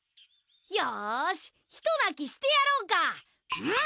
よしひと鳴きしてやろうか？